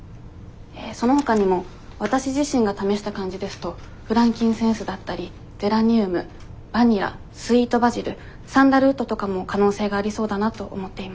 えそのほかにもわたし自身が試した感じですとフランキンセンスだったりゼラニウムバニラスイートバジルサンダルウッドとかも可能性がありそうだなと思っています。